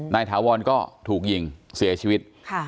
ถาวรก็ถูกยิงเสียชีวิต